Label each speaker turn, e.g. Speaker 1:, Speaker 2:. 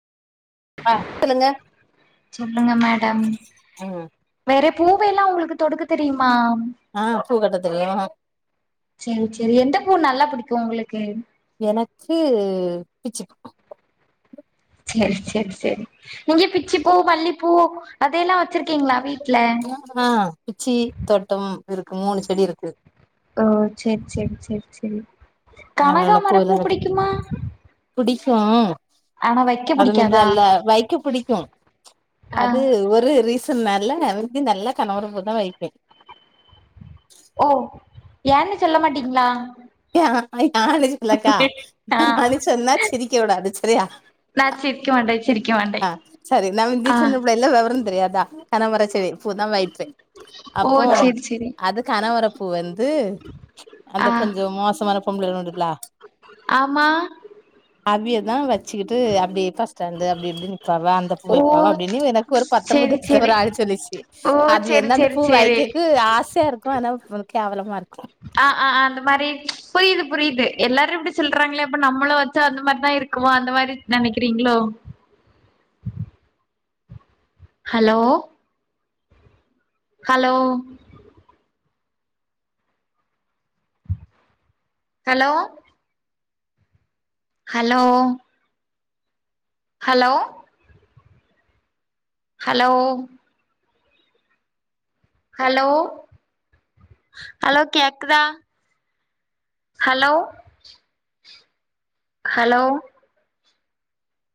Speaker 1: ஆ சொல்லுங்க
Speaker 2: சொல்லுங்க மேடம்
Speaker 1: ம்
Speaker 2: வேற பூவல்லா உங்களுக்கு தொடுக்க தெரியுமா
Speaker 1: ஆ பூ கட்டத்தெரியு
Speaker 2: சேரி சேரி எந்த பூ நல்லா புடிக்கு உங்களுக்கு
Speaker 1: எனக்கு பிச்சு
Speaker 2: செரி செரி செரி நீங்க பிச்சிப்பூ மல்லிப்பூ அதெல்லா வச்சிருக்கீங்களா வீட்ல
Speaker 1: ஆ பிச்சி தோட்டோ இருக்கு மூணு செடி இருக்கு
Speaker 2: ஓ செரி செரி செரி செரி
Speaker 1: நல்ல நல்ல
Speaker 2: கனகாமரப்பூ
Speaker 1: பூவெல்லா கட்டி
Speaker 2: புடிக்குமா
Speaker 1: புடிக்கு
Speaker 2: ஆனா வைக்க
Speaker 1: அது ம
Speaker 2: புடிக்காதா
Speaker 1: நல்லா வைக்க பிடிக்கு
Speaker 2: ஆ
Speaker 1: அது ஒரு ரீசன் [unintelligible] வந்து நல்லா கணவர பூ தா வைப்பே
Speaker 2: ஓ யான்னு சொல்ல மாட்டீங்களா
Speaker 1: யா யானு சொல்லக்கா
Speaker 2: ஆ
Speaker 1: யானு சொன்னா சிரிக்க விடாது சரியா
Speaker 2: நா சிரிக்க மாட்டே சிரிக்க மாட்டே
Speaker 1: ஆ சரி நம் இந்தீ
Speaker 2: ஆ
Speaker 1: சின்ன புள்ளைல வெவரந் தெரியாத கனமரச்சடி பூ தா வைப்பே
Speaker 2: ஓ
Speaker 1: அப்போ
Speaker 2: சேரி சேரி
Speaker 1: அது கனவரப்பூ வந்து அந்த
Speaker 2: ஆ
Speaker 1: கொஞ்ச மோசமான பொம்பள உண்டுலா
Speaker 2: ஆமா
Speaker 1: அவியதா வச்சுக்கிட்டு அப்டியே பஸ்டாண்டு அப்டி அப்டி நிப்பாவ அந்த பூ
Speaker 2: ஓ
Speaker 1: வைப்பாவ அப்டின்னு எனக்கு ஒரு பத்தொன்பது
Speaker 2: சேரி
Speaker 1: வயசுல ஒரு
Speaker 2: சேரி
Speaker 1: ஆளு சொல்லிச்சு
Speaker 2: ஓ
Speaker 1: அதுல
Speaker 2: செரி
Speaker 1: இருந்து அந்த
Speaker 2: செரி
Speaker 1: பூ
Speaker 2: செரி
Speaker 1: வைக்கக்கு ஆசையா இருக்கு ஆனா கேவலமா இருக்கு
Speaker 2: ஆ ஆ அந்த மாரி புரியுது புரியுது எல்லாரு இப்டி சொல்றாங்களே இப்ப நம்மளும் வச்சா அந்த மாரிதா இருக்கு க்குவ அந்த மாரி நெனைக்கிறீங்ளோ hello hello hello hello hello hello hello hello கேக்குதா ஹலோ ஹலோ